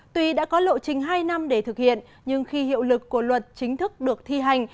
tuy đã có lộ trình hai năm để thực hiện nhưng khi hiệu lực của luật chính thức được thi hành